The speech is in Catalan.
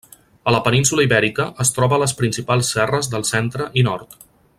A la península Ibèrica es troba a les principals serres del centre i nord.